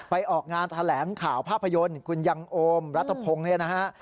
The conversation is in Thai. ออกงานแถลงข่าวภาพยนตร์คุณยังโอมรัฐพงศ์เนี่ยนะฮะ